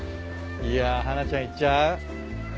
いや花ちゃんいっちゃう？